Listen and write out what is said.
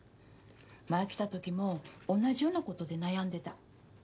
前来たときも同じようなことで悩んでた。